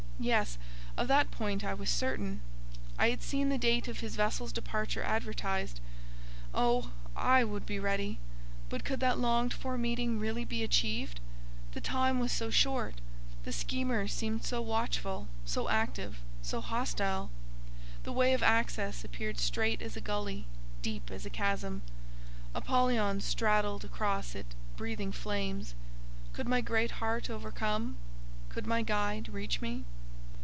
Yes; of that point I was certain. I had seen the date of his vessel's departure advertised. Oh! I would be ready, but could that longed for meeting really be achieved? the time was so short, the schemers seemed so watchful, so active, so hostile; the way of access appeared strait as a gully, deep as a chasm—Apollyon straddled across it, breathing flames. Could my Greatheart overcome? Could my guide reach me?